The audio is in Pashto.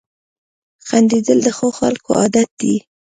• خندېدل د ښو خلکو عادت دی.